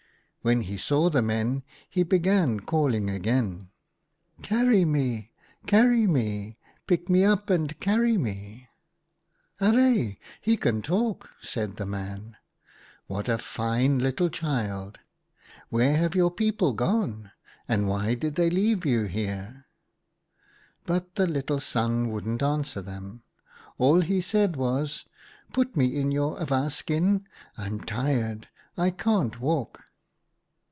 When he saw the men, he began calling again. "' Carry me, carry me ! Pick me up and carry me !'"' Arre! he can talk,' said the man. • What a fine little child ! Where have your people gone ? and why did they leave you here ?'" But the little Sun wouldn't answer them. All he said was, ' Put me in your awa skin. I'm tired ; I can't walk.'